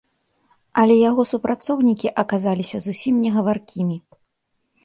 Але яго супрацоўнікі аказаліся зусім негаваркімі.